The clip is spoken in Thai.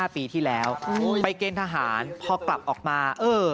ปีที่แล้วไปเกณฑ์ทหารพอกลับออกมาเออ